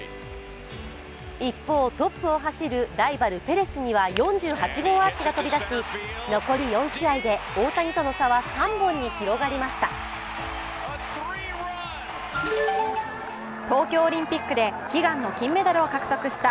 一方、トップを走るライバル、ペレスには４８号アーチが飛び出し、残り４試合で大谷との差は３本に広がりました。